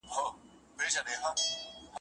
د کلي هغه رڼه شپه یاده کړه